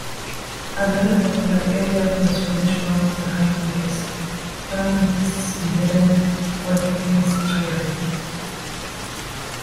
Another popular area for Swedish mountain hiking is Kungsleden, or "The King's Trail".